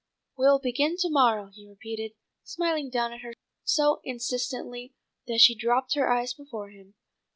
"We'll begin to morrow," he repeated, smiling down at her so insistently that she dropped her eyes before his.